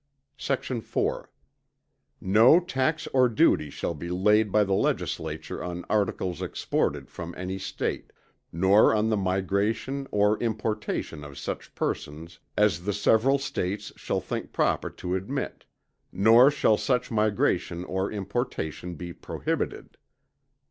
Sect. 4. No tax or duty shall be laid by the Legislature on articles exported from any State; nor on the migration or importation of such persons as the several States shall think proper to admit; nor shall such migration or importation be prohibited.